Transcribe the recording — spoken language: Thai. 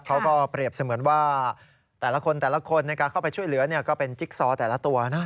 เขาก็เปรียบเสมือนว่าแต่ละคนแต่ละคนในการเข้าไปช่วยเหลือก็เป็นจิ๊กซอแต่ละตัวนะ